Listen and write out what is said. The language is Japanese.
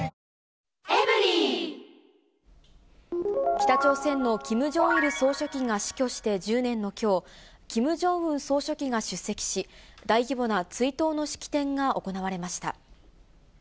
北朝鮮のキム・ジョンイル総書記が死去して１０年のきょう、キム・ジョンウン総書記が出席し、大規模な追悼の式典が行われました。